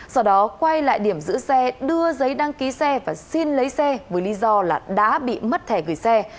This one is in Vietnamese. sau đó quay lại điểm giữ xe đưa giấy đăng ký xe và xin lấy xe với lý do là đã bị mất thẻ gửi xe